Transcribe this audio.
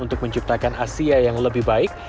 untuk menciptakan asia yang lebih baik